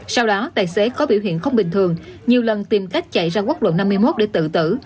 sau đó tài xế có biểu hiện không bình thường nhiều lần tìm cách chạy ra quốc lộ năm mươi một để tự tử